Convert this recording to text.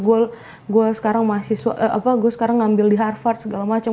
gue sekarang ngambil di harvard segala macem